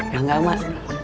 ya enggak amal